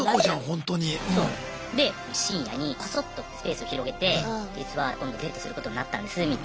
で深夜にコソッとスペース広げて実は今度デートすることになったんですみたいな。